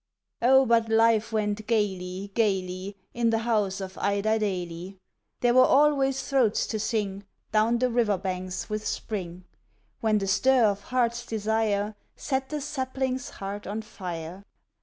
Oh, but life went gayly, gayly, In the house of Idiedaily! There were always throats to sing Down the river banks with spring, When the stir of heart's desire Set the sapling's heart on fire.